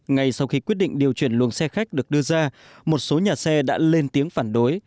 ngay sau khi quyết định điều chuyển luồng xe khách được đưa ra một số nhà xe đã lên tiếng phản đối